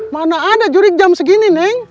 mana ada jurik jam segini neng